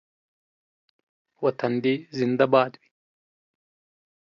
وطن دې زنده باد وي